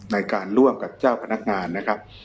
ในการร่วมกับเจ้าพนักงานนะครับ